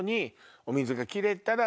お水が切れたら。